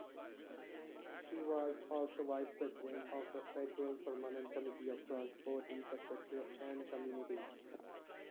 He was also vice-president of the federal permanent committee of Transport, Infrastructure and Communities.